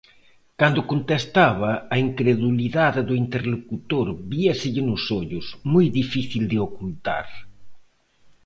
Cando contestaba, a incredulidade do interlocutor víaselle nos ollos, moi difícil de ocultar.